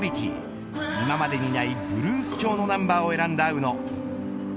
今までにないブルース調のナンバーを選んだ宇野。